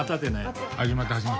始まった始まった。